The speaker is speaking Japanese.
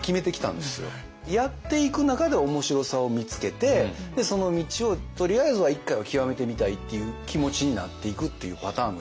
やっていく中で面白さを見つけてその道をとりあえずは一回は極めてみたいっていう気持ちになっていくっていうパターンの人だったので。